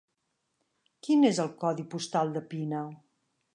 Quin és el codi postal de Pina?